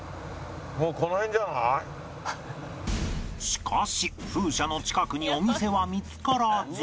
しかし風車の近くにお店は見つからず